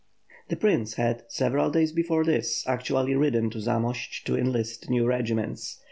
The prince had, several days before this, actually ridden to Zamost to enlist new regiments.